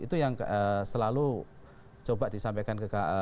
itu yang selalu coba disampaikan ke